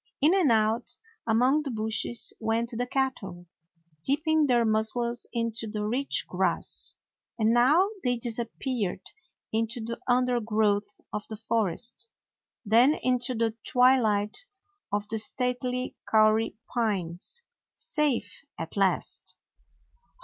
In and out among the bushes went the cattle, dipping their muzzles into the rich grass, and now they disappeared into the undergrowth of the forest, then into the twi light of the stately kauri pines, safe at last!